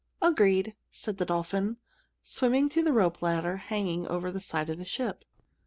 "Agreed!" said the dolphin, swimming to the rope ladder hanging over the side of the ship.